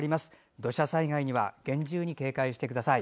土砂災害には厳重に警戒してください。